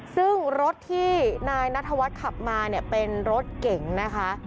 ซึ่งรถที่นายนัทวัฒน์ขับมาเนี่ยเป็นรถเก๋งนะคะ